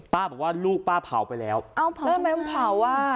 ป้าบอกว่าลูกป้าเผาไปแล้วเอ้ายังไงข้าวว่า